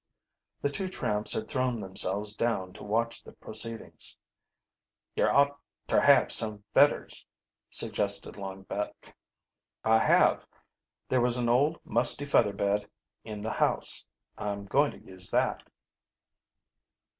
The two tramps had thrown themselves down to watch the proceedings. "Yer ought ter have some fedders," suggested Longback. "I have. There was an old musty feather bed in the house. I'm going to use that."